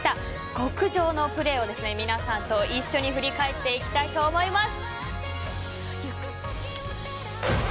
極上のプレーを皆さんと一緒に振り返っていきたいと思います。